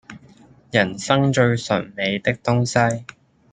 人生最醇美的東西